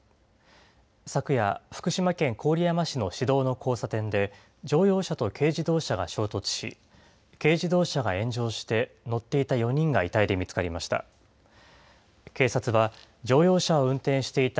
昨夜、福島県郡山市の市道の交差点で、乗用車と軽自動車が衝突し、軽自動車が炎上して乗っていた４人が遺体で見つかりました。